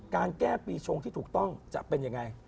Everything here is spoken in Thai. การแก้ปีชงที่ถูกต้องจะเป็นยังไง